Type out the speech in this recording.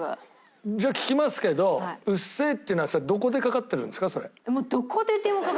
じゃあ聞きますけど『うっせぇ』っていうのはそれはどこでかかってるんですか？